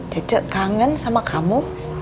cece kangen sama kamu